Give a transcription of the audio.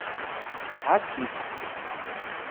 Ɛass-it.